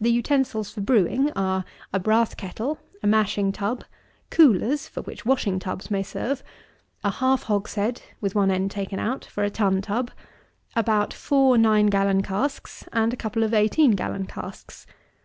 The utensils for brewing are, a brass kettle, a mashing tub, coolers, (for which washing tubs may serve,) a half hogshead, with one end taken out, for a tun tub, about four nine gallon casks, and a couple of eighteen gallon casks.